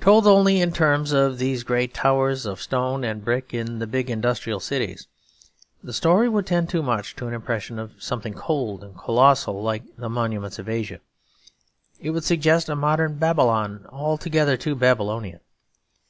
Told only in terms of these great towers of stone and brick in the big industrial cities, the story would tend too much to an impression of something cold and colossal like the monuments of Asia. It would suggest a modern Babylon altogether too Babylonian.